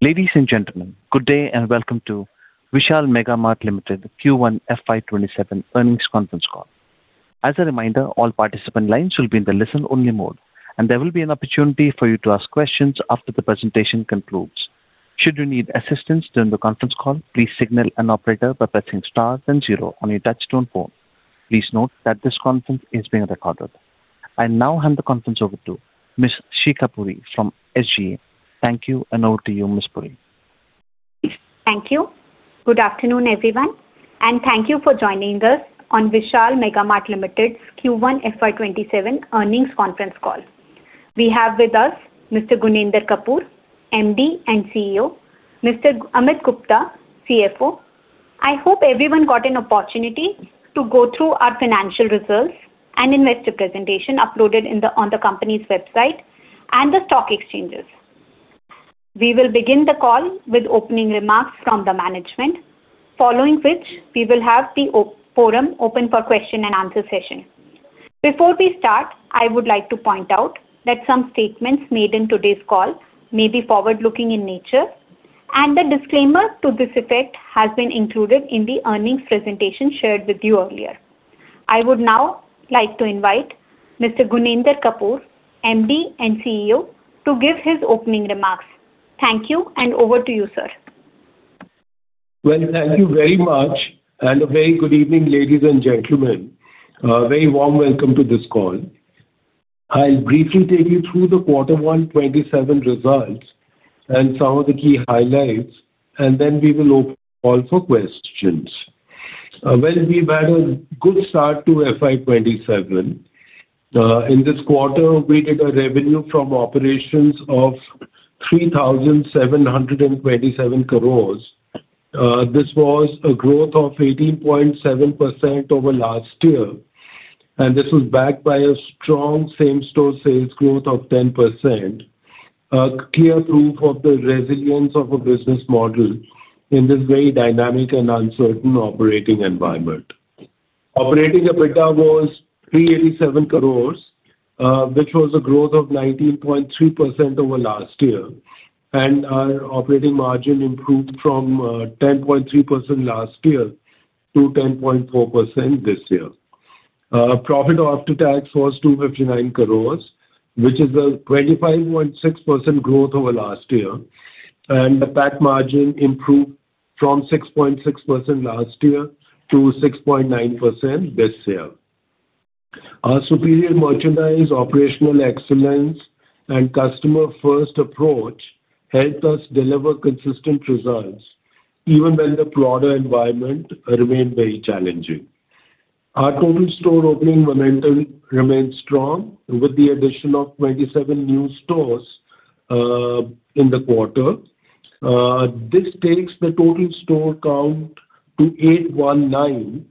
Ladies and gentlemen, good day and welcome to Vishal Mega Mart Limited Q1 FY 2027 earnings conference call. As a reminder, all participant lines will be in the listen only mode, there will be an opportunity for you to ask questions after the presentation concludes. Should you need assistance during the conference call, please signal an operator by pressing star then zero on your touch tone phone. Please note that this conference is being recorded. I now hand the conference over to Ms. Shikha Puri from SGA. Thank you, over to you, Ms. Puri. Thank you. Good afternoon, everyone, thank you for joining us on Vishal Mega Mart Limited's Q1 FY 2027 earnings conference call. We have with us Mr. Gunender Kapur, MD and CEO, Mr. Amit Gupta, CFO. I hope everyone got an opportunity to go through our financial results, investor presentation uploaded on the company's website and the stock exchanges. We will begin the call with opening remarks from the management, following which we will have the forum open for question-and-answer session. Before we start, I would like to point out that some statements made in today's call may be forward-looking in nature, the disclaimer to this effect has been included in the earnings presentation shared with you earlier. I would now like to invite Mr. Gunender Kapur, MD and CEO, to give his opening remarks. Thank you, over to you, sir. Well, thank you very much, a very good evening, ladies and gentlemen. A very warm welcome to this call. I'll briefly take you through the Q1 FY 2027 results, some of the key highlights, then we will open the call for questions. Well, we've had a good start to FY 2027. In this quarter, we did a revenue from operations of 3,727 crores. This was a growth of 18.7% over last year, this was backed by a strong same-store sales growth of 10%, a clear proof of the resilience of our business model in this very dynamic and uncertain operating environment. Operating EBITDA was 387 crores, which was a growth of 19.3% over last year, our operating margin improved from 10.3% last year to 10.4% this year. Profit after tax was 259 crores, which is a 25.6% growth over last year, the PAT margin improved from 6.6% last year to 6.9% this year. Our superior merchandise, operational excellence, and customer-first approach helped us deliver consistent results even when the broader environment remained very challenging. Our total store opening momentum remains strong with the addition of 27 new stores in the quarter. This takes the total store count to 819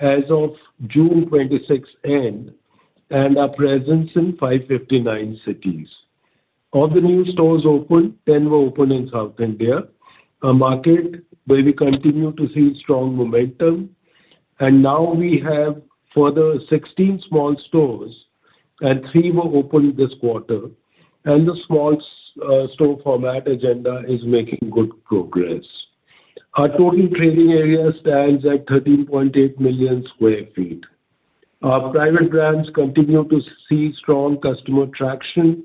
as of June 26th end, our presence in 559 cities. Of the new stores opened, 10 were opened in South India, a market where we continue to see strong momentum. Now we have further 16 small stores, and three were opened this quarter. The small store format agenda is making good progress. Our total trading area stands at 13.8 million square feet. Our private brands continue to see strong customer traction,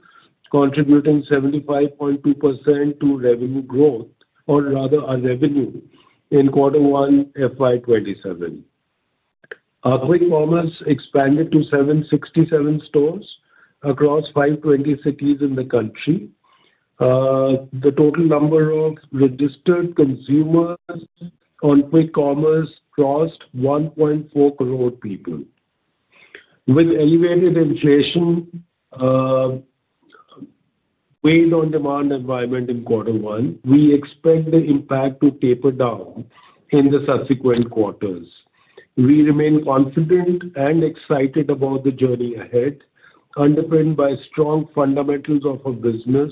contributing 75.2% to revenue growth, or rather our revenue in quarter one, FY 2027. Our Quick Commerce expanded to 767 stores across 520 cities in the country. The total number of registered consumers on Quick Commerce crossed 1.4 crore people. With elevated inflation, weighed on demand environment in quarter one, we expect the impact to taper down in the subsequent quarters. We remain confident and excited about the journey ahead, underpinned by strong fundamentals of our business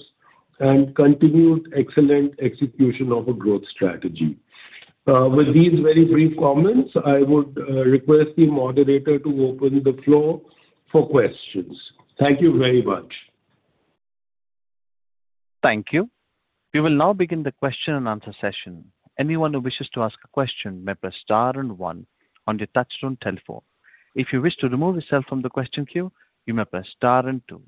and continued excellent execution of our growth strategy. With these very brief comments, I would request the moderator to open the floor for questions. Thank you very much. Thank you. We will now begin the question-and-answer session. Anyone who wishes to ask a question may press star and one on your touch tone telephone. If you wish to remove yourself from the question queue, you may press star and two.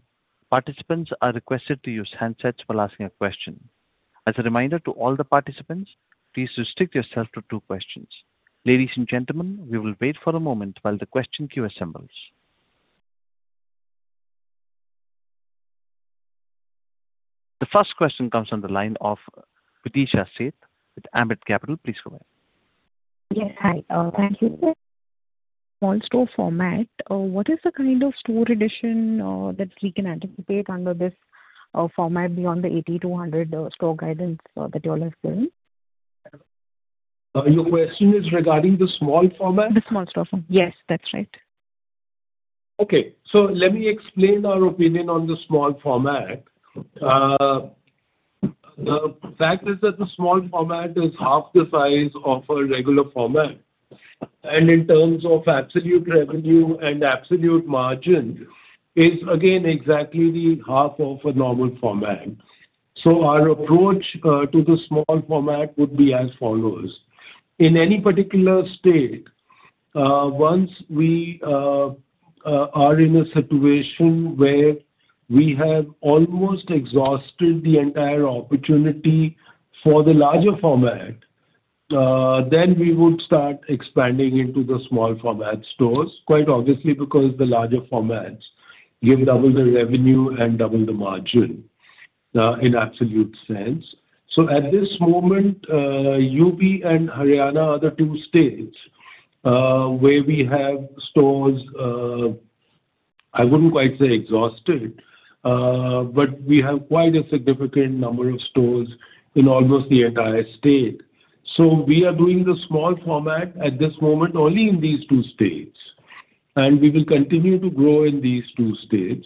Participants are requested to use handsets while asking a question. As a reminder to all the participants, please restrict yourself to two questions. Ladies and gentlemen, we will wait for a moment while the question queue assembles. The first question comes on the line of Videesha Sheth with Ambit Capital. Please go ahead. Yes. Hi. Thank you. Small store format, what is the kind of store addition that we can anticipate under this format beyond the 8,200 store guidance that you all have given? Your question is regarding the small format? The small store format. Yes, that's right. Okay. Let me explain our opinion on the small format. The fact is that the small format is half the size of a regular format. In terms of absolute revenue and absolute margin is again exactly the half of a normal format. Our approach to the small format would be as follows. In any particular state, once we are in a situation where we have almost exhausted the entire opportunity for the larger format, we would start expanding into the small format stores, quite obviously because the larger formats give double the revenue and double the margin in absolute sense. At this moment, U.P. and Haryana are the two states where we have stores, I wouldn't quite say exhausted, but we have quite a significant number of stores in almost the entire state. We are doing the small format at this moment only in these two states, and we will continue to grow in these two states.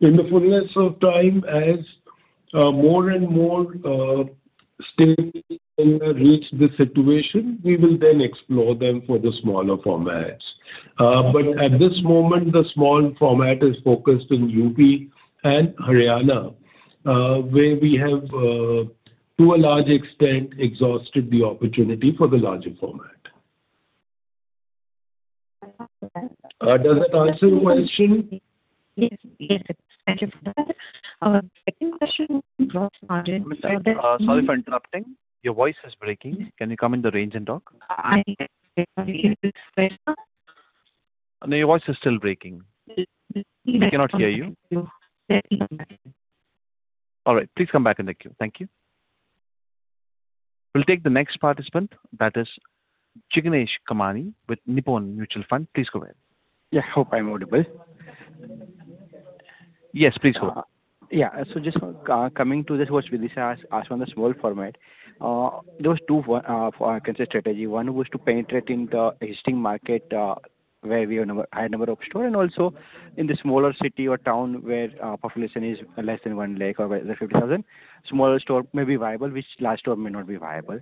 In the fullness of time, as more and more states reach this situation, we will explore them for the smaller formats. At this moment, the small format is focused in U.P. and Haryana, where we have, to a large extent, exhausted the opportunity for the larger format. Does that answer your question? Yes, it does. Thank you for that. Second question. Sorry for interrupting. Your voice is breaking. Can you come in the range and talk? No, your voice is still breaking. We cannot hear you. All right. Please come back in the queue. Thank you. We'll take the next participant, that is Jignesh Kamani with Nippon Mutual Fund. Please go ahead. Yeah. Hope I'm audible. Yes, please go on. Yeah. Just coming to this what Videesha asked on the small format. There was two kinds of strategy. One was to penetrate in the existing market, where we have high number of store, and also in the smaller city or town where population is less than one lakh or less than 50,000, smaller store may be viable, which large store may not be viable.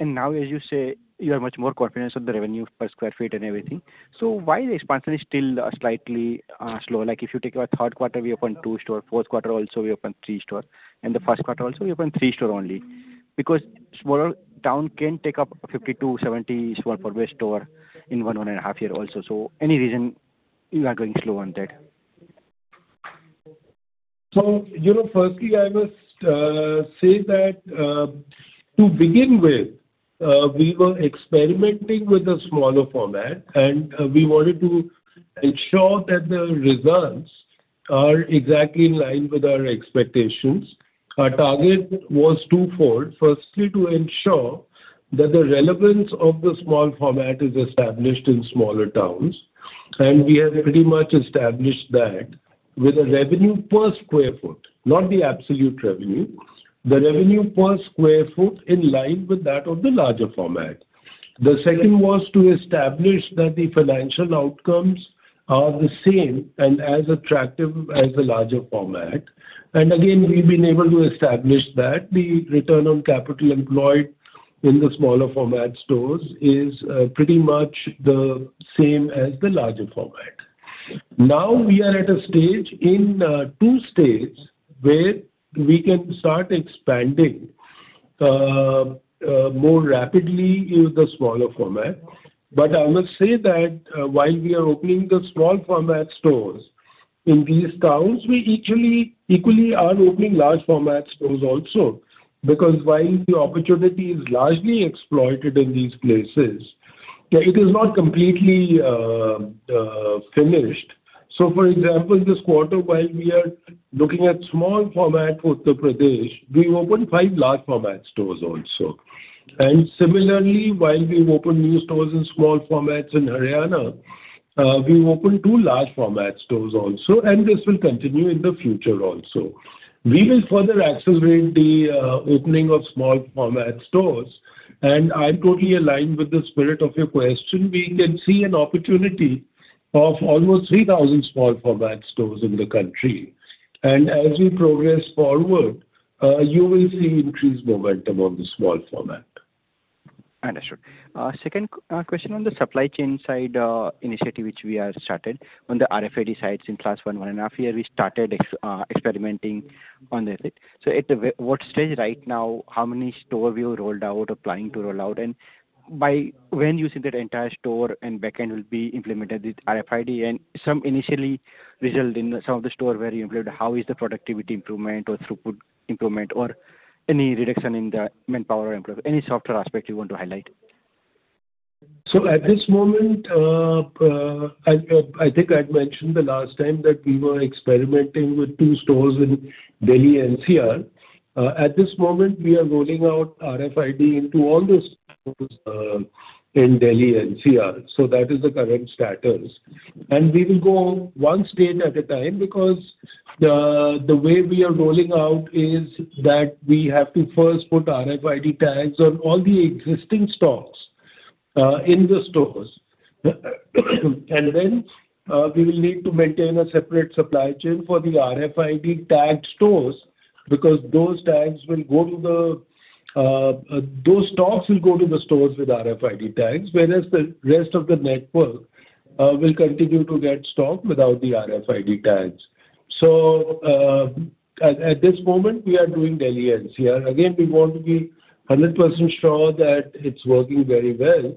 And now as you say, you have much more confidence of the revenue per square foot and everything. Why the expansion is still slightly slow? Like if you take our third quarter, we opened two stores, fourth quarter also we opened three stores, and the first quarter also we opened three stores only. Because smaller town can take up 50 sq ft-70 sq ft per store in one and a half year also. Any reason you are going slow on that? Firstly, I must say that to begin with, we were experimenting with a small format, and we wanted to ensure that the results are exactly in line with our expectations. Our target was twofold. Firstly, to ensure that the relevance of the small format is established in smaller towns, and we have pretty much established that with a revenue per square foot, not the absolute revenue, the revenue per square foot in line with that of the larger format. The second was to establish that the financial outcomes are the same and as attractive as the larger format. Again, we've been able to establish that the return on capital employed in the small format stores is pretty much the same as the larger format. Now we are at a stage in two states where we can start expanding more rapidly in the small format. I must say that while we are opening the small format stores in these towns, we equally are opening large format stores also. Because while the opportunity is largely exploited in these places, it is not completely finished. For example, this quarter while we are looking at small format Uttar Pradesh, we opened five large format stores also. Similarly, while we've opened new stores in small formats in Haryana, we've opened two large format stores also, and this will continue in the future also. We will further accelerate the opening of small format stores, and I totally align with the spirit of your question. We can see an opportunity of almost 3,000 small format stores in the country. As we progress forward, you will see increased momentum of the small format. Understood. Second question on the supply chain side initiative which we are started on the RFID side in class one, one and a half year, we started experimenting. At what stage right now, how many store we have rolled out or planning to roll out? When you see that entire store and back end will be implemented with RFID and some initially result in some of the store where you deployed, how is the productivity improvement or throughput improvement or any reduction in the manpower or employee? Any softer aspect you want to highlight? At this moment, I think I'd mentioned the last time that we were experimenting with two stores in Delhi NCR. At this moment, we are rolling out RFID into all the stores in Delhi NCR. That is the current status. We will go one state at a time because the way we are rolling out is that we have to first put RFID tags on all the existing stocks in the stores. Then we will need to maintain a separate supply chain for the RFID tagged stores, because those stocks will go to the stores with RFID tags, whereas the rest of the network will continue to get stock without the RFID tags. At this moment, we are doing Delhi NCR. Again, we want to be 100% sure that it's working very well,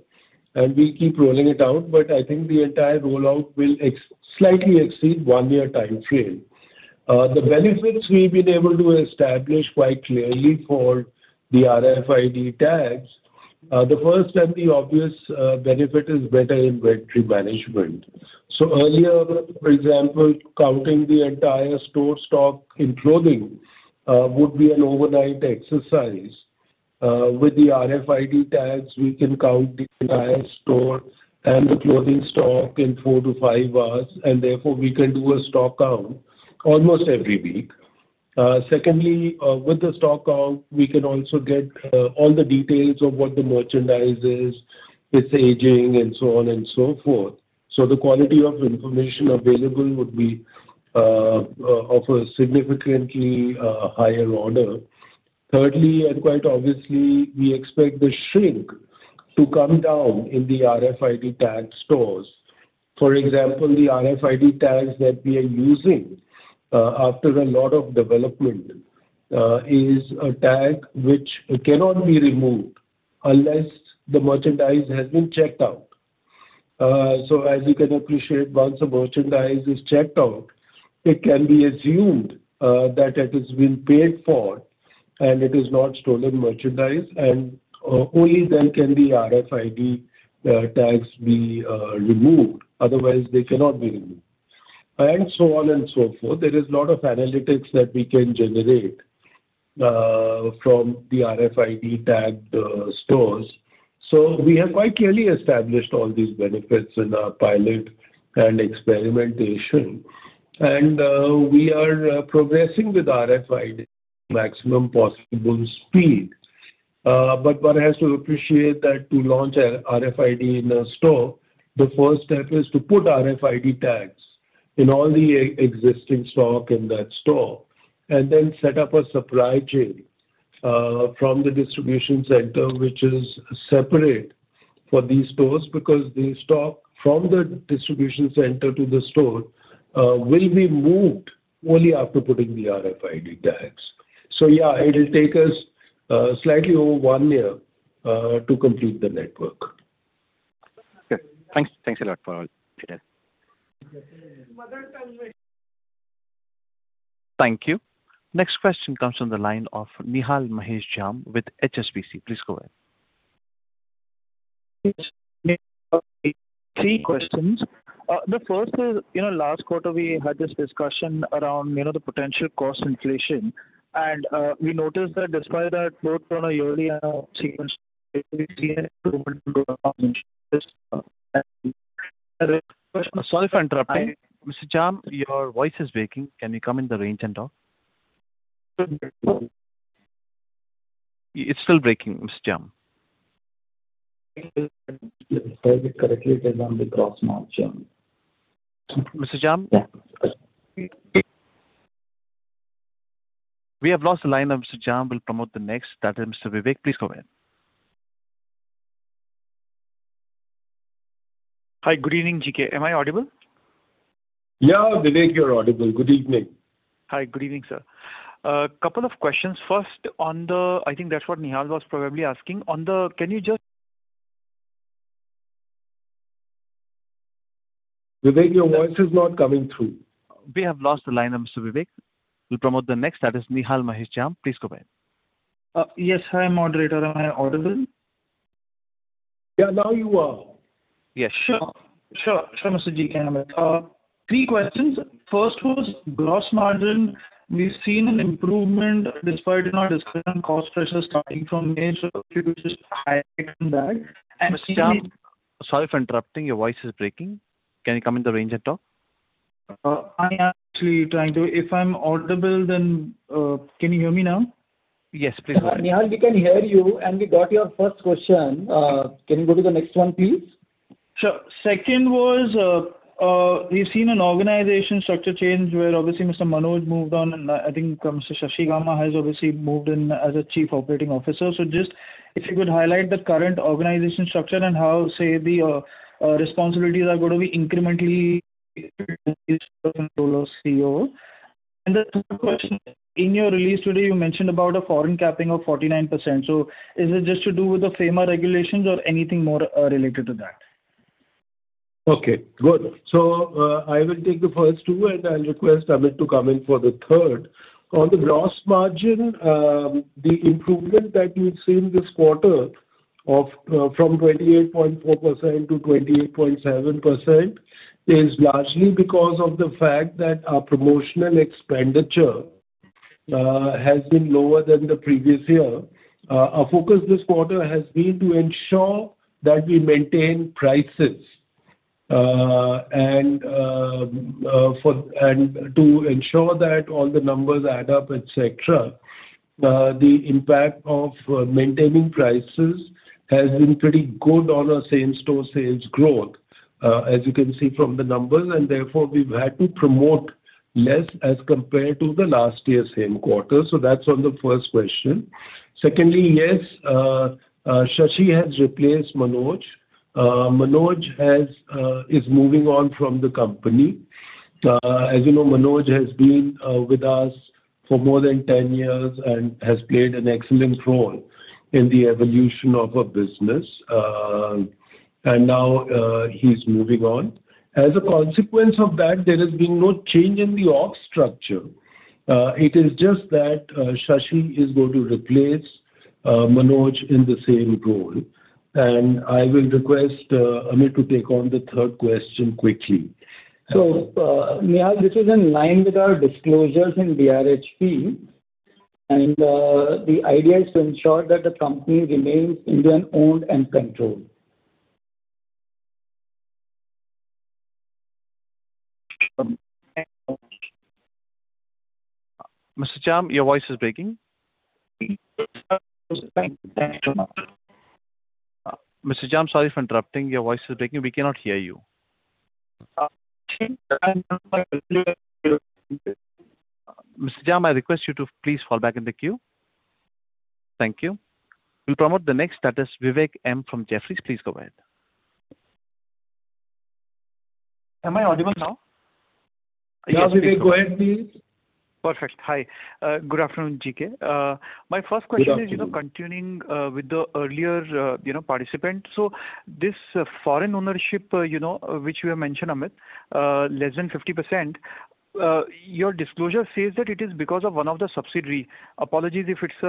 and we keep rolling it out. I think the entire rollout will slightly exceed one-year time frame. The benefits we've been able to establish quite clearly for the RFID tags, the first and the obvious benefit is better inventory management. Earlier, for example, counting the entire store stock in clothing would be an overnight exercise. With the RFID tags, we can count the entire store and the clothing stock in four to five hours, and therefore we can do a stock count almost every week. Secondly, with the stock count, we can also get all the details of what the merchandise is, its aging, and so on and so forth. The quality of information available would be of a significantly higher order. Thirdly, quite obviously, we expect the shrink to come down in the RFID tagged stores. For example, the RFID tags that we are using after a lot of development is a tag which cannot be removed unless the merchandise has been checked out. As you can appreciate, once the merchandise is checked out, it can be assumed that it has been paid for, and it is not stolen merchandise, and only then can the RFID tags be removed. Otherwise, they cannot be removed, and so on and so forth. There is lot of analytics that we can generate from the RFID tagged stores. We have quite clearly established all these benefits in our pilot and experimentation. We are progressing with RFID at maximum possible speed. One has to appreciate that to launch RFID in a store, the first step is to put RFID tags in all the existing stock in that store, and then set up a supply chain from the distribution center, which is separate for these stores, because the stock from the distribution center to the store will be moved only after putting the RFID tags. Yeah, it'll take us slightly over one year to complete the network. Okay. Thanks a lot for all, GK. [inaudible] Thank you. Next question comes from the line of Nihal Mahesh Jham with HSBC. Please go ahead. Three questions. The first is, last quarter, we had this discussion around the potential cost inflation. We noticed that despite that, both on a yearly and a sequential Sorry for interrupting. Mr. Jham, your voice is breaking. Can you come in the range and talk? It's still breaking, Mr. Jham. Try it correctly again the gross margin. Mr. Jham? Yeah. We have lost the line of Mr. Jham. We'll promote the next. That is Mr. Vivek. Please go ahead. Hi, good evening, GK. Am I audible? Yeah, Vivek, you're audible. Good evening. Hi, good evening, sir. Couple of questions. First on the, I think that's what Nihal was probably asking. Vivek, your voice is not coming through. We have lost the line of Mr. Vivek. We'll promote the next. That is Nihal Mahesh Jham. Please go ahead. Yes. Hi, moderator. Am I audible? Yeah. Now you are. Yes. Sure, Mr. GK. Three questions. First was gross margin. We've seen an improvement despite your discussion on cost pressure starting from May. If you could just highlight on that. Mr. Jham, sorry for interrupting. Your voice is breaking. Can you come in the range and talk? I am actually trying to. If I'm audible, Can you hear me now? Yes, please go ahead. Nihal, we can hear you. We got your first question. Can you go to the next one, please? Sure. Second was, we've seen an organization structure change where obviously Mr. Manoj moved on. I think Mr. Sashi Gumma has obviously moved in as a Chief Operating Officer. Just if you could highlight the current organization structure and how, say, the responsibilities are going to be incrementally distributed between the COO. The third question, in your release today, you mentioned about a foreign capping of 49%. Is it just to do with the FEMA regulations or anything more related to that? Okay, good. I will take the first two, and I will request Amit to come in for the third. On the gross margin, the improvement that you have seen this quarter from 28.4% to 28.7% is largely because of the fact that our promotional expenditure has been lower than the previous year. Our focus this quarter has been to ensure that we maintain prices. To ensure that all the numbers add up, et cetera, the impact of maintaining prices has been pretty good on our same-store sales growth, as you can see from the numbers, and therefore, we have had to promote less as compared to the last year's same quarter. That is on the first question. Secondly, yes, Shashi has replaced Manoj. Manoj is moving on from the company. As you know, Manoj has been with us for more than 10 years and has played an excellent role in the evolution of our business. Now he is moving on. As a consequence of that, there has been no change in the org structure. It is just that Shashi is going to replace Manoj in the same role. I will request Amit to take on the third question quickly. This is in line with our disclosures in DRHP, and the idea is to ensure that the company remains Indian owned and controlled. Mr. Jham, your voice is breaking. Mr. Jham, sorry for interrupting. Your voice is breaking. We cannot hear you. Mr. Jham, I request you to please fall back in the queue. Thank you. We will promote the next, that is Vivek M. from Jefferies. Please go ahead. Am I audible now? Yeah, Vivek, go ahead please. Perfect. Hi. Good afternoon, GK. Good afternoon. My first question is continuing with the earlier participant. This foreign ownership which you have mentioned, Amit, less than 50%, your disclosure says that it is because of one of the subsidiary. Apologies if it is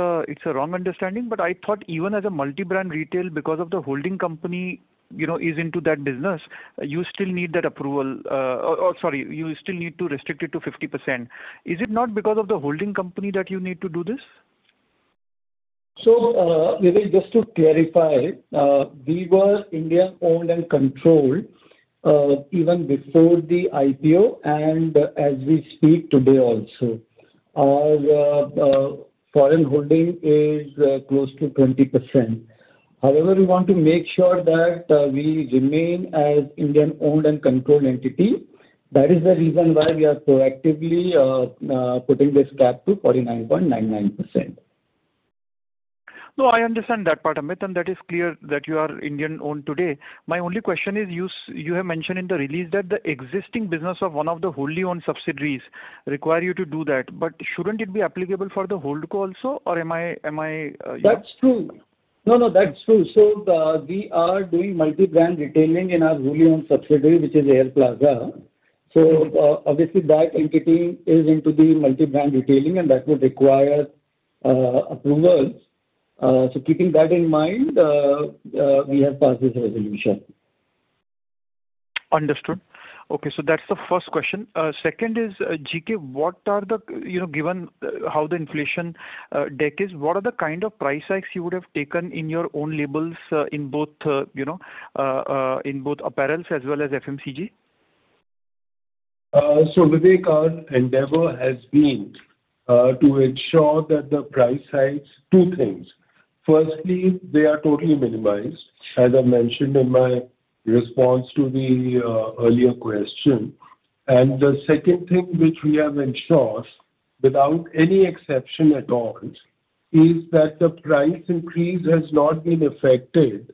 a wrong understanding, but I thought even as a multi-brand retail, because of the holding company is into that business, you still need to restrict it to 50%. Is it not because of the holding company that you need to do this? Vivek, just to clarify, we were Indian owned and controlled even before the IPO and as we speak today also. Our foreign holding is close to 20%. However, we want to make sure that we remain as Indian owned and controlled entity. That is the reason why we are proactively putting this cap to 49.99%. I understand that part, Amit, and that is clear that you are Indian owned today. My only question is, you have mentioned in the release that the existing business of one of the wholly owned subsidiaries require you to do that, but shouldn't it be applicable for the HoldCo also? That's true. That's true. We are doing multi-brand retailing in our wholly owned subsidiary, which is Airplaza. Obviously that entity is into the multi-brand retailing and that would require approvals. Keeping that in mind, we have passed this resolution. Understood. Okay, that's the first question. Second is, GK, given how the inflation deck is, what are the kind of price hikes you would have taken in your own labels in both apparel as well as FMCG? Vivek, our endeavor has been to ensure that the price hikes, two things. Firstly, they are totally minimized, as I mentioned in my response to the earlier question. The second thing which we have ensured without any exception at all is that the price increase has not been affected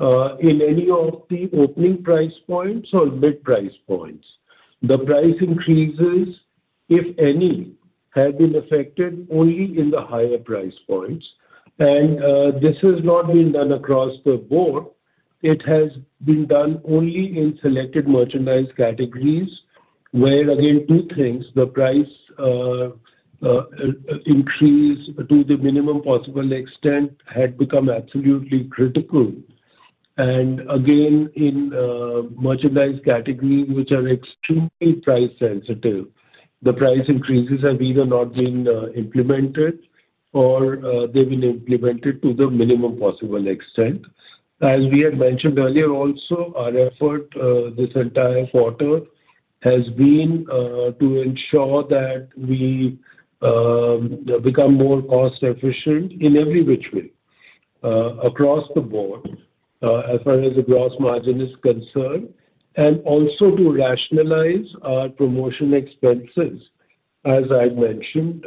in any of the opening price points or mid price points. The price increases, if any, have been affected only in the higher price points. This has not been done across the board. It has been done only in selected merchandise categories where again two things, the price increase to the minimum possible extent had become absolutely critical. Again, in merchandise categories which are extremely price sensitive, the price increases have either not been implemented or they've been implemented to the minimum possible extent. As we had mentioned earlier also, our effort this entire quarter has been to ensure that we become more cost efficient in every which way across the board as far as the gross margin is concerned, and also to rationalize our promotion expenses, as I mentioned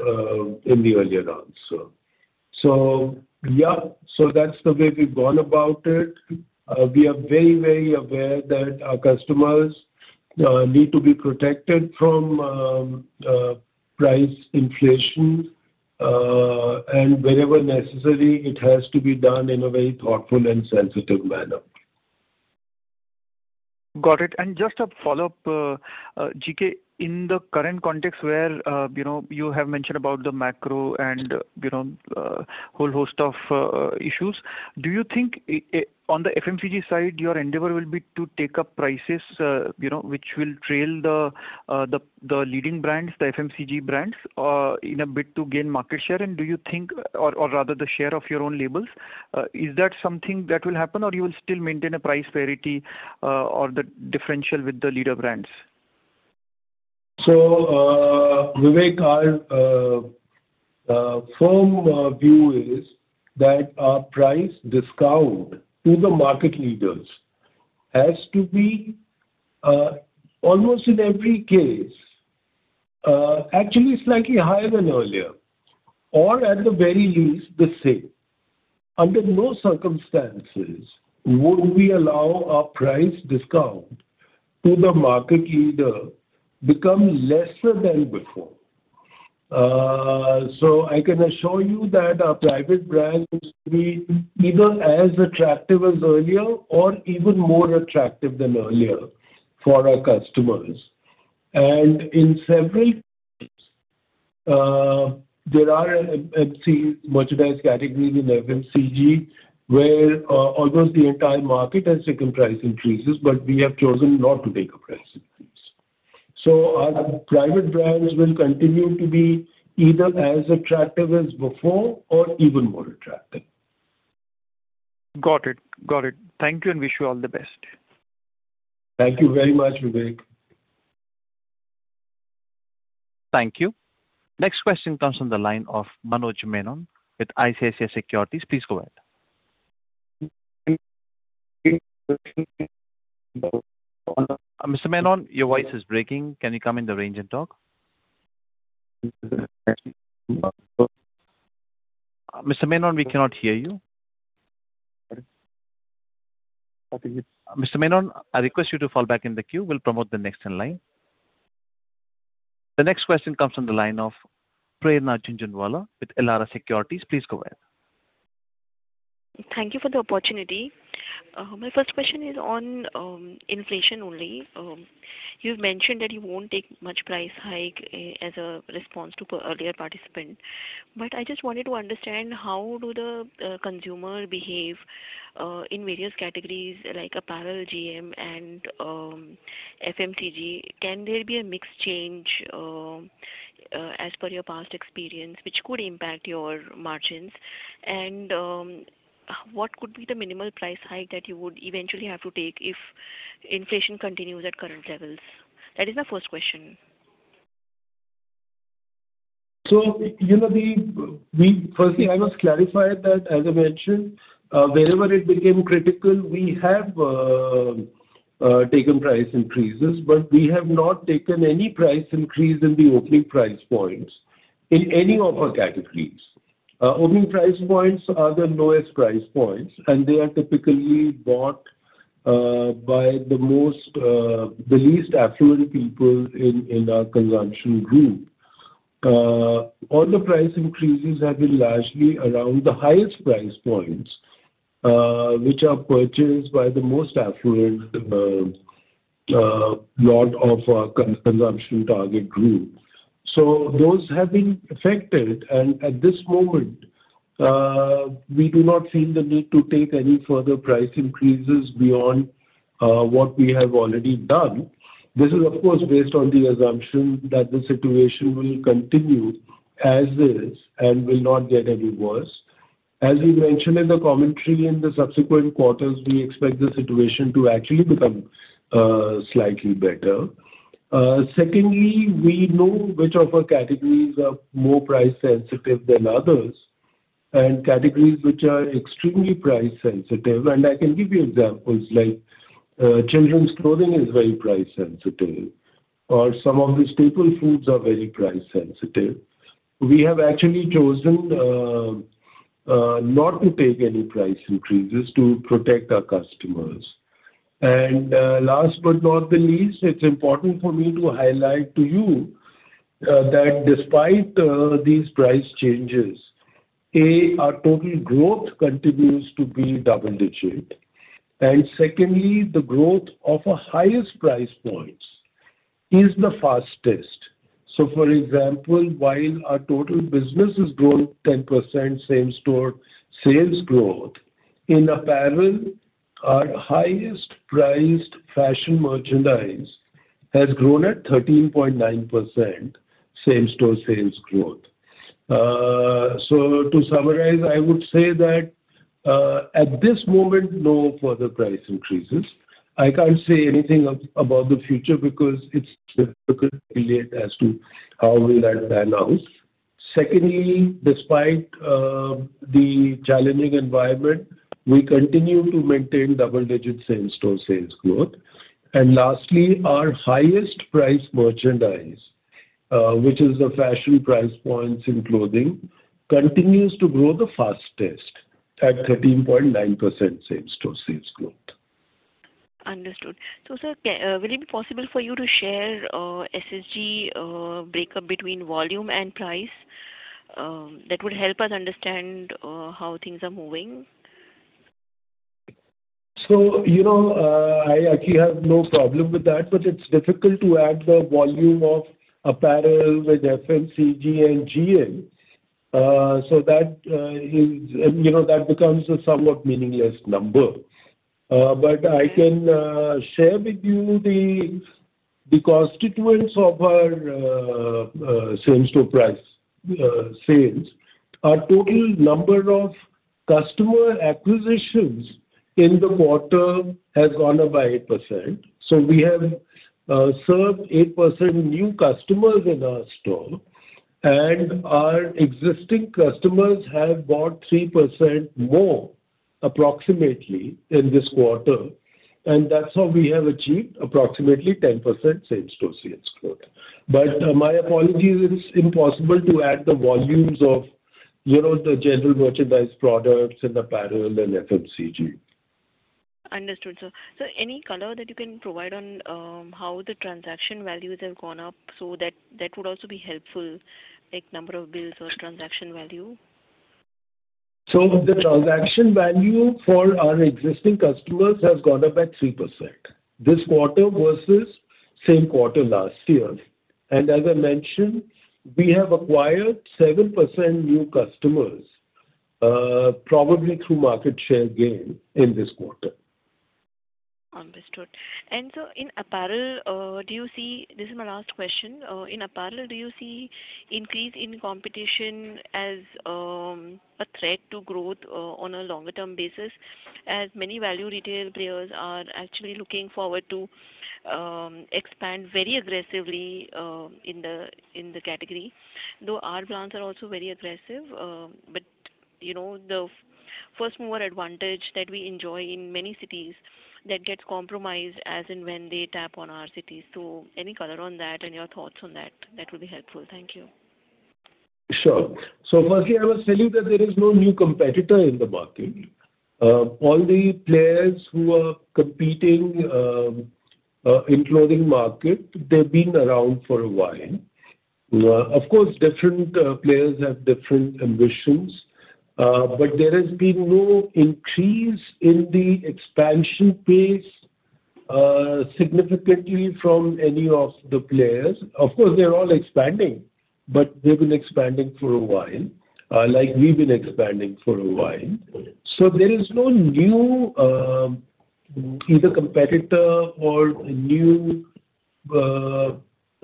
in the earlier answer. Yeah. That's the way we've gone about it. We are very aware that our customers need to be protected from price inflation, and wherever necessary, it has to be done in a very thoughtful and sensitive manner. Got it. Just a follow-up, GK, in the current context where you have mentioned about the macro and whole host of issues, do you think on the FMCG side your endeavor will be to take up prices which will trail the leading brands, the FMCG brands in a bid to gain market share? Do you think-- Or rather the share of your own labels. Is that something that will happen or you will still maintain a price parity or the differential with the leader brands? Vivek, our firm view is that our price discount to the market leaders has to be, almost in every case, actually slightly higher than earlier, or at the very least, the same. Under no circumstances would we allow our price discount to the market leader become lesser than before. I can assure you that our private brand is to be either as attractive as earlier or even more attractive than earlier for our customers. In several there are FMC merchandise categories in FMCG where almost the entire market has taken price increases, but we have chosen not to take a price increase. Our private brands will continue to be either as attractive as before or even more attractive. Got it. Thank you and wish you all the best. Thank you very much, Vivek. Thank you. Next question comes from the line of Manoj Menon with ICICI Securities. Please go ahead. Mr. Menon, your voice is breaking. Can you come in the range and talk? Mr. Menon, we cannot hear you. Mr. Menon, I request you to fall back in the queue. We'll promote the next in line. The next question comes from the line of Prerna Jhunjhunwala with Elara Securities. Please go ahead. Thank you for the opportunity. My first question is on inflation only. You've mentioned that you won't take much price hike as a response to earlier participant. I just wanted to understand how do the consumer behave, in various categories like apparel, GM, and FMCG. Can there be a mix change as per your past experience, which could impact your margins? What could be the minimal price hike that you would eventually have to take if inflation continues at current levels? That is my first question. Firstly, I must clarify that, as I mentioned, wherever it became critical, we have taken price increases, but we have not taken any price increase in the opening price points in any of our categories. Opening price points are the lowest price points, and they are typically bought by the least affluent people in our consumption group. All the price increases have been largely around the highest price points, which are purchased by the most affluent lot of our consumption target group. Those have been affected, and at this moment, we do not feel the need to take any further price increases beyond what we have already done. This is, of course, based on the assumption that the situation will continue as is and will not get any worse. As we mentioned in the commentary, in the subsequent quarters, we expect the situation to actually become slightly better. Secondly, we know which of our categories are more price sensitive than others, and categories which are extremely price sensitive. I can give you examples like children's clothing is very price sensitive, or some of the staple foods are very price sensitive. We have actually chosen not to take any price increases to protect our customers. Last but not the least, it's important for me to highlight to you that despite these price changes, A, our total growth continues to be double-digit. Secondly, the growth of our highest price points is the fastest. For example, while our total business has grown 10% same-store sales growth, in apparel, our highest priced fashion merchandise has grown at 13.9% same-store sales growth. To summarize, I would say that, at this moment, no further price increases. I can't say anything about the future because it's difficult to predict as to how will that pan out. Secondly, despite the challenging environment, we continue to maintain double-digit same-store sales growth. Lastly, our highest priced merchandise, which is the fashion price points in clothing, continues to grow the fastest at 13.9% same-store sales growth. Understood. Sir, will it be possible for you to share SSG breakup between volume and price? That would help us understand how things are moving. I actually have no problem with that, but it's difficult to add the volume of apparel with FMCG and GM. That becomes a somewhat meaningless number. I can share with you the constituents of our Same-store price sales. Our total number of customer acquisitions in the quarter has gone up by 8%. We have served 8% new customers in our store, and our existing customers have bought 3% more, approximately, in this quarter. That's how we have achieved approximately 10% same-store sales growth. My apologies, it's impossible to add the volumes of the general merchandise products and apparel and FMCG. Understood, sir. Sir, any color that you can provide on how the transaction values have gone up, so that would also be helpful, like number of bills or transaction value. The transaction value for our existing customers has gone up at 3% this quarter versus same quarter last year. As I mentioned, we have acquired 7% new customers, probably through market share gain in this quarter. Understood. This is my last question. In apparel, do you see increase in competition as a threat to growth on a longer term basis, as many value retail players are actually looking forward to expand very aggressively in the category, though our brands are also very aggressive. The first-mover advantage that we enjoy in many cities, that gets compromised as and when they tap on our cities. Any color on that and your thoughts on that would be helpful. Thank you. Sure. Firstly, I was telling you that there is no new competitor in the market. All the players who are competing in clothing market, they've been around for a while. Of course, different players have different ambitions. There has been no increase in the expansion pace significantly from any of the players. Of course, they're all expanding, but they've been expanding for a while, like we've been expanding for a while. There is no new either competitor or new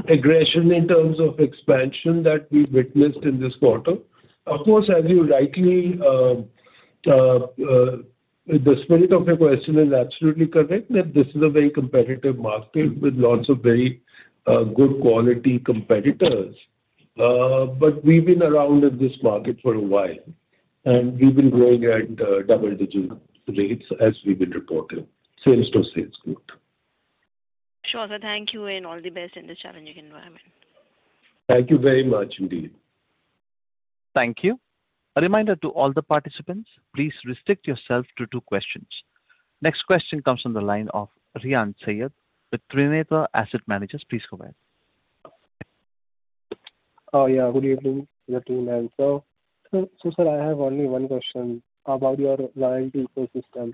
aggression in terms of expansion that we witnessed in this quarter. Of course, the spirit of your question is absolutely correct, that this is a very competitive market with lots of very good quality competitors. We've been around in this market for a while, and we've been growing at double-digit rates as we've been reporting same-store sales growth. Sure, sir. Thank you and all the best in this challenging environment. Thank you very much indeed. Thank you. A reminder to all the participants, please restrict yourself to two questions. Next question comes from the line of Rehan Saiyyed with Trinetra Asset Managers. Please go ahead. Yeah. Good evening. [inaudible] Sir, I have only one question about your loyalty ecosystem.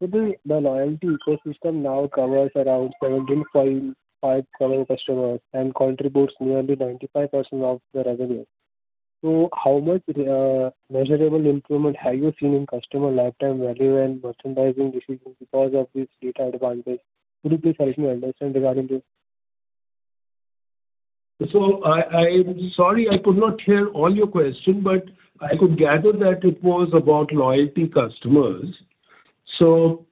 The loyalty ecosystem now covers around 17.5 crore customers and contributes nearly 95% of the revenue. How much measurable improvement have you seen in customer lifetime value and merchandising decisions because of this data advantage? Could you please help me understand regarding this? I'm sorry I could not hear all your question. I could gather that it was about loyalty customers. Do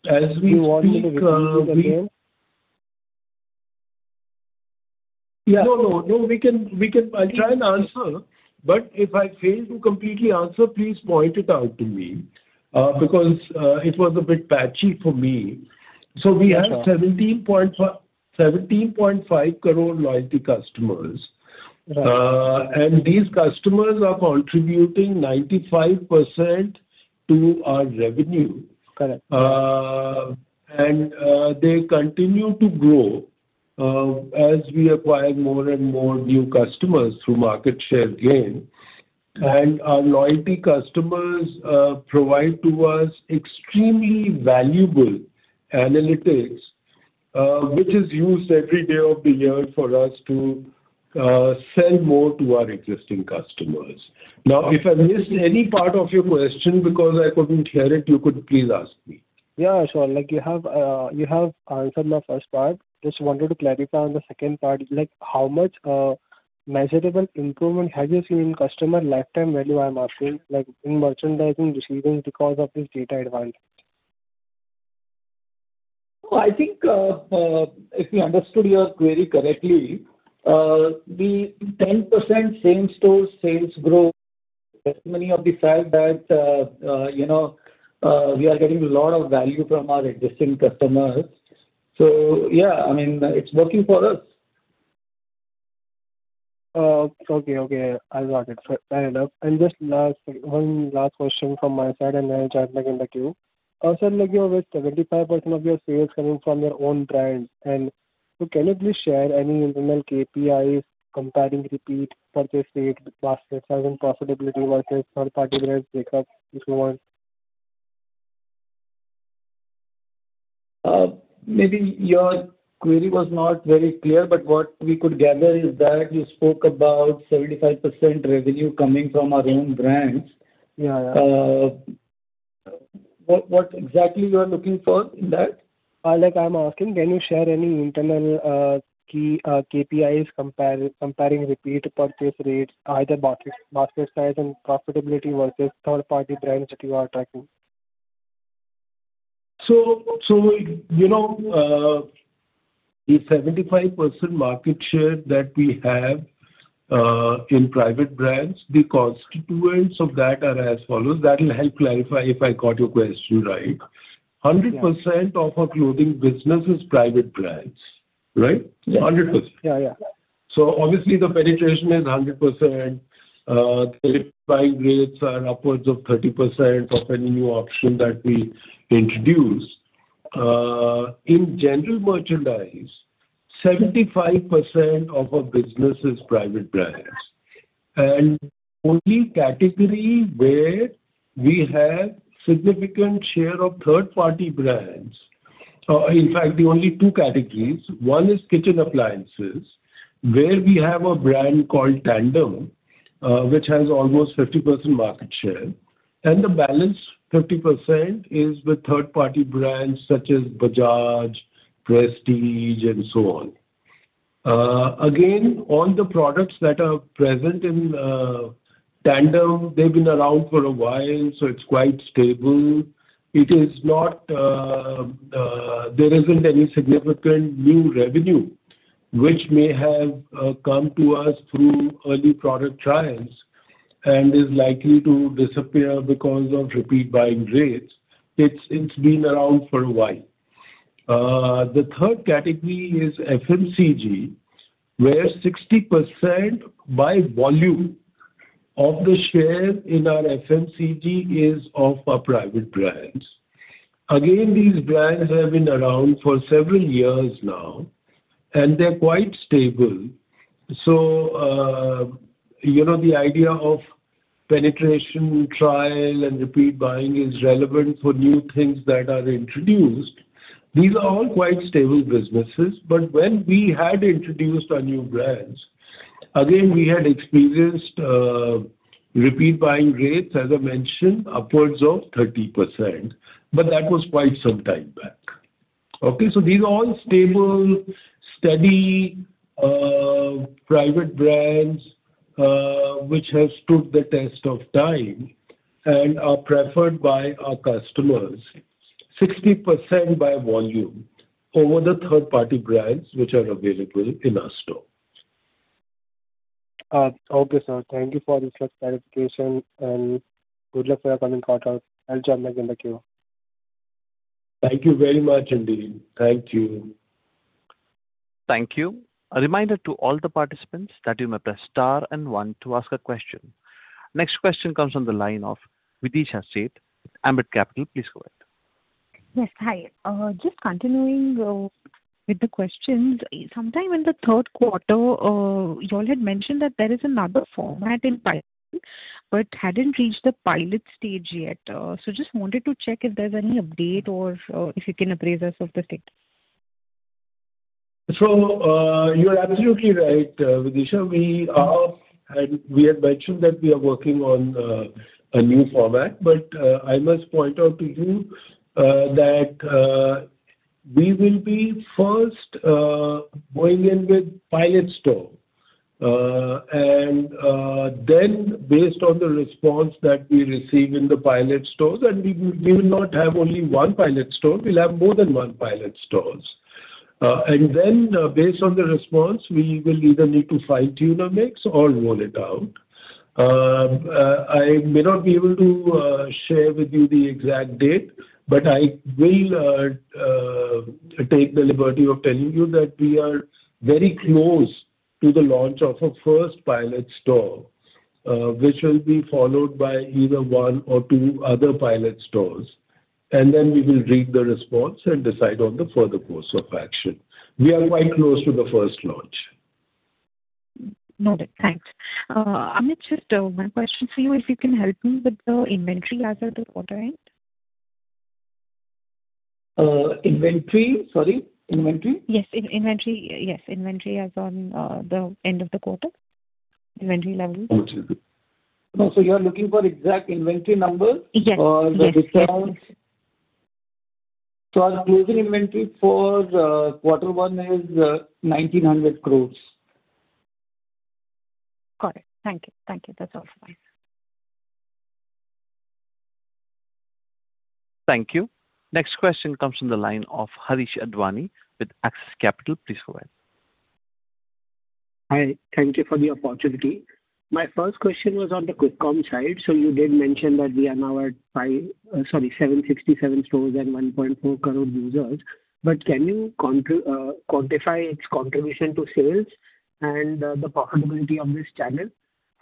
you want me to repeat it again? I'll try and answer, but if I fail to completely answer, please point it out to me because it was a bit patchy for me. We have 17.5 crore loyalty customers. Right. These customers are contributing 95% to our revenue. Correct. They continue to grow as we acquire more and more new customers through market share gain. Our loyalty customers provide to us extremely valuable analytics, which is used every day of the year for us to sell more to our existing customers. If I missed any part of your question because I couldn't hear it, you could please ask me. Yeah, sure. You have answered my first part. Just wanted to clarify on the second part, how much measurable improvement have you seen in customer lifetime value, I'm asking, in merchandising decisions because of this data advantage? I think if we understood your query correctly, the 10% same-store sales growth is testimony of the fact that we are getting a lot of value from our existing customers. Yeah, it's working for us. Okay. I got it. Fair enough. Just one last question from my side, and then jump back in the queue. Sir, with 75% of your sales coming from your own brands, can you please share any internal KPIs comparing repeat purchase rate, basket size and profitability versus third party brands breakup, if you want? Maybe your query was not very clear, what we could gather is that you spoke about 75% revenue coming from our own brands. Yeah. What exactly you are looking for in that? Like I'm asking, can you share any internal KPIs comparing repeat purchase rates, either basket size and profitability versus third-party brands that you are tracking? The 75% market share that we have in private brands, the constituents of that are as follows. That will help clarify if I got your question right. Yeah. 100% of our clothing business is private brands. Right? Yeah. 100%. Yeah. Obviously the penetration is 100%. Repeat buying rates are upwards of 30% of any new option that we introduce. In general merchandise, 75% of our business is private brands. Only category where we have significant share of third-party brands. In fact, the only two categories, one is kitchen appliances, where we have a brand called Tandem, which has almost 50% market share. The balance, 50%, is with third-party brands such as Bajaj, Prestige and so on. Again, on the products that are present in Tandem, they've been around for a while, so it's quite stable. There isn't any significant new revenue which may have come to us through early product trials and is likely to disappear because of repeat buying rates. It's been around for a while. The third category is FMCG, where 60% by volume of the share in our FMCG is of our private brands. These brands have been around for several years now, and they're quite stable. The idea of penetration, trial, and repeat buying is relevant for new things that are introduced. These are all quite stable businesses, but when we had introduced our new brands, again, we had experienced repeat buying rates, as I mentioned, upwards of 30%, but that was quite some time back. These are all stable, steady private brands, which have stood the test of time and are preferred by our customers 60% by volume over the third-party brands which are available in our stores. Okay, sir. Thank you for this clarification and good luck for your coming quarter. I'll jump back in the queue. Thank you very much, indeed. Thank you. Thank you. A reminder to all the participants that you may press star and one to ask a question. Next question comes from the line of Videesha Sheth, Ambit Capital. Please go ahead. Yes. Hi. Just continuing with the questions. Sometime in the third quarter, you all had mentioned that there is another format in but hadn't reached the pilot stage yet. Just wanted to check if there's any update or if you can appraise us of the state. You're absolutely right, Videesha. We have mentioned that we are working on a new format, but, I must point out to you that we will be first going in with pilot store. Based on the response that we receive in the pilot stores, and we will not have only one pilot store, we'll have more than one pilot stores. Based on the response, we will either need to fine-tune the mix or roll it out. I may not be able to share with you the exact date, but I will take the liberty of telling you that we are very close to the launch of our first pilot store, which will be followed by either one or two other pilot stores, and then we will read the response and decide on the further course of action. We are quite close to the first launch. Noted. Thanks. Amit, just one question for you, if you can help me with the inventory as of the quarter end. Sorry, inventory? Yes, inventory as on the end of the quarter. Inventory levels. Got you. You're looking for exact inventory numbers? Yes or the discounts? Our closing inventory for quarter one is 1,900 crore. Got it. Thank you. That's all from my side. Thank you. Next question comes from the line of Harish Advani with Axis Capital. Please go ahead. Hi. Thank you for the opportunity. My first question was on the Quick Com side. You did mention that we are now at 767 stores and 1.4 crore users. Can you quantify its contribution to sales and the profitability of this channel?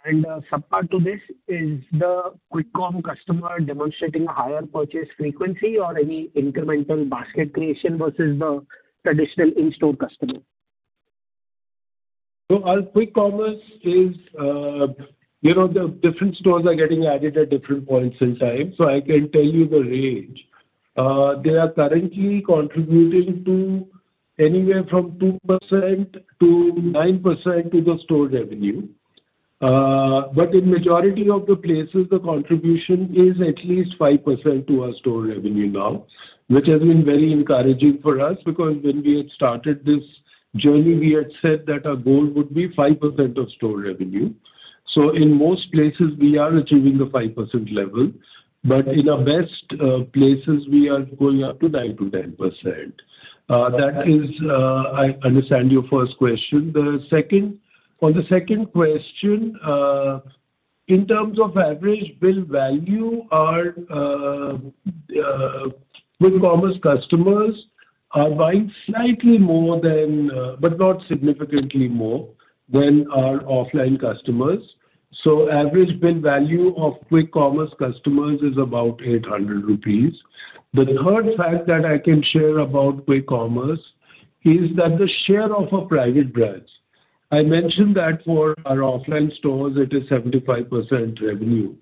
And sub-part to this, is the Quick Com customer demonstrating a higher purchase frequency or any incremental basket creation versus the traditional in-store customer? Quick Commerce, the different stores are getting added at different points in time. I can tell you the range. They are currently contributing to anywhere from 2% to 9% to the store revenue. In majority of the places, the contribution is at least 5% to our store revenue now, which has been very encouraging for us, because when we had started this journey, we had said that our goal would be 5% of store revenue. In most places we are achieving the 5% level, but in our best places we are going up to 9%-10%. That is, I understand your first question. On the second question, in terms of average bill value, Quick Commerce customers are buying slightly more, but not significantly more than our offline customers. Average bill value Quick Commerce customers is about 800 rupees. The third fact that I can share about Quick Commerce is that the share of our private brands. I mentioned that for our offline stores, it is 75% revenue.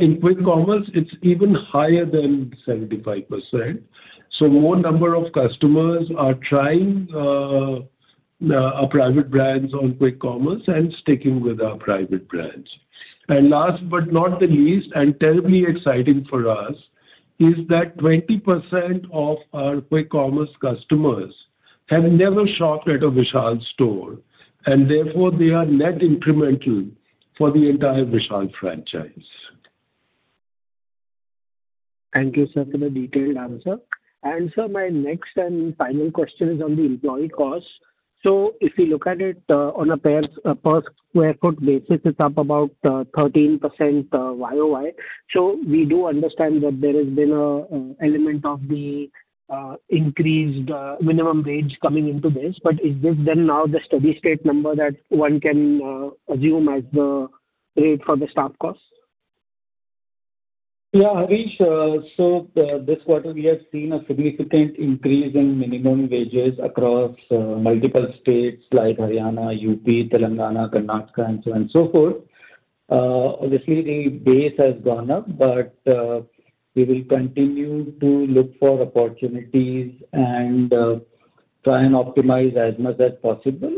In Quick Commerce, it is even higher than 75%. More number of customers are trying our private brands on Quick Commerce and sticking with our private brands. Last but not the least, and terribly exciting for us, is that 20% of our Quick Commerce customers have never shopped at a Vishal store, and therefore they are net incremental for the entire Vishal franchise. Thank you, sir, for the detailed answer. Sir, my next and final question is on the employee cost. If you look at it on a per square foot basis, it is up about 13% YOY. We do understand that there has been an element of the increased minimum wage coming into this. Is this then now the steady state number that one can assume as the rate for the staff cost? Yeah, Harish, this quarter we have seen a significant increase in minimum wages across multiple states like Haryana, U.P., Telangana, Karnataka, and so on so forth. Obviously, the base has gone up. We will continue to look for opportunities and try and optimize as much as possible.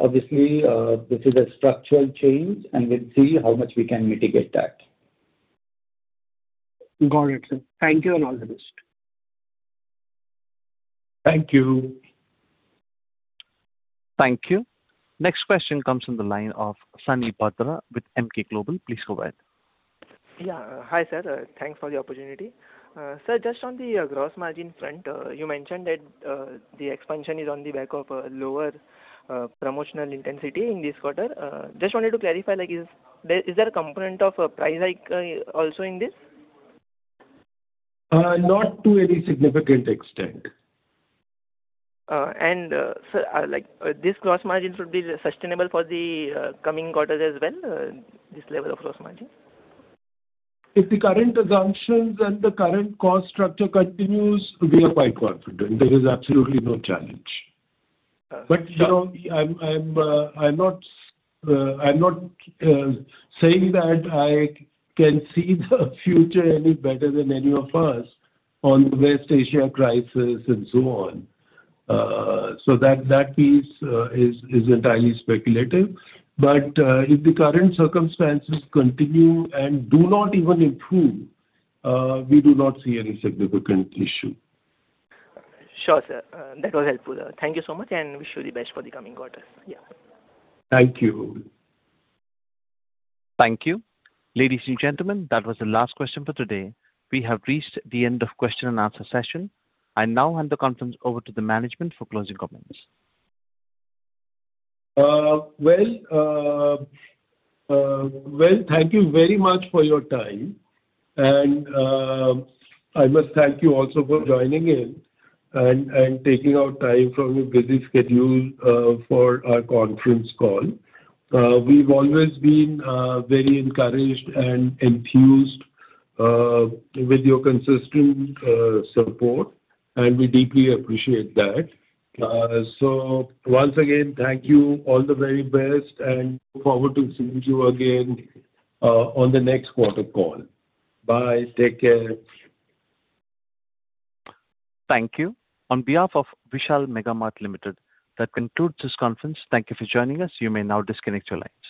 Obviously, this is a structural change, and we will see how much we can mitigate that. Got it, sir. Thank you. All the best. Thank you. Thank you. Next question comes from the line of Sunny Bhadra with Emkay Global. Please go ahead. Yeah. Hi, sir. Thanks for the opportunity. Sir, just on the gross margin front, you mentioned that the expansion is on the back of lower promotional intensity in this quarter. Just wanted to clarify, is there a component of price hike also in this? Not to any significant extent. sir, this gross margin should be sustainable for the coming quarters as well, this level of gross margin? If the current assumptions and the current cost structure continues, we are quite confident there is absolutely no challenge. I'm not saying that I can see the future any better than any of us on the West Asia crisis and so on. That piece is entirely speculative. If the current circumstances continue and do not even improve, we do not see any significant issue. Sure, sir. That was helpful. Thank you so much, and wish you the best for the coming quarters. Yeah. Thank you. Thank you. Ladies and gentlemen, that was the last question for today. We have reached the end of question-and-answer session. I now hand the conference over to the management for closing comments. Well, thank you very much for your time. I must thank you also for joining in and taking out time from your busy schedule for our conference call. We've always been very encouraged and enthused with your consistent support, and we deeply appreciate that. Once again, thank you, all the very best, and look forward to seeing you again on the next quarter call. Bye. Take care. Thank you. On behalf of Vishal Mega Mart Limited, that concludes this conference. Thank you for joining us. You may now disconnect your line.